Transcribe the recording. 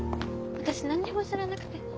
私何にも知らなくて。